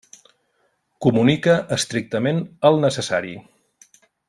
Comunica estrictament el necessari.